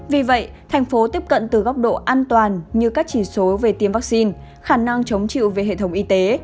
vì vậy thành phố tiếp cận từ góc độ an toàn như các chỉ số về tiêm vaccine khả năng chống chịu về hệ thống y tế